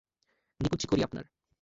নিকুচি করি আপনার।